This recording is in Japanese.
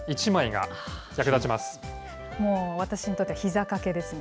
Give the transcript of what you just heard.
もう、私にとってひざ掛けですね。